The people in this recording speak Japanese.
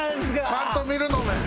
ちゃんと見るのねん。